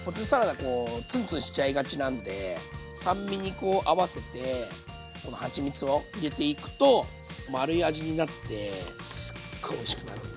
こうツンツンしちゃいがちなんで酸味にこう合わせてこのはちみつを入れていくと丸い味になってすっごいおいしくなるんで。